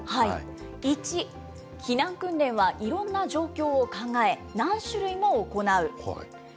１、避難訓練はいろんな状況を考え、何種類も行う。